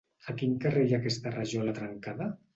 A quin carrer hi ha aquesta rajola trencada?